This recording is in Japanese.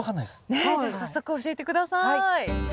ねっじゃあ早速教えて下さい。